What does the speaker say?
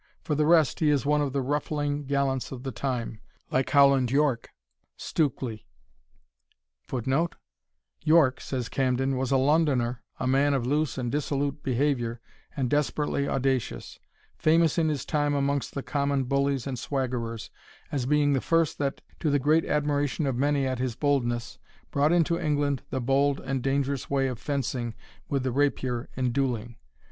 For the rest, he is one of the ruffling gallants of the time, like Howland Yorke, Stukely, [Footnote: "Yorke," says Camden, "was a Londoner, a man of loose and dissolute behaviour, and desperately audacious famous in his time amongst the common bullies and swaggerers, as being the first that, to the great admiration of many at his boldness, brought into England the bold and dangerous way of fencing with the rapier in duelling.